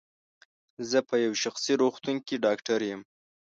زه په یو شخصي روغتون کې ډاکټر یم.